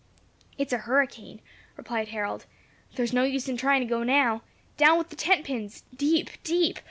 "It is a hurricane," replied Harold. "There is no use in trying to go now. Down with the tent pins! deep! deep!